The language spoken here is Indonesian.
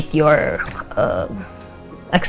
saya harus melihat